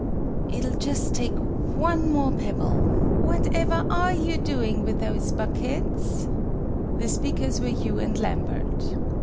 "It'll just take one more pebble." "What ever are you doing with those buckets?" The speakers were Hugh and Lambert.